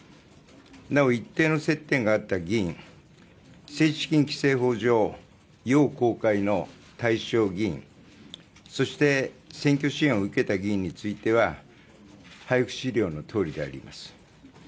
なお一定の接点があった議員政治資金規正法上要公開の対象議員そして、選挙支援を受けた議員については配布資料のとおりであります。